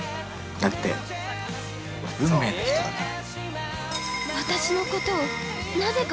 だって運命の人だから。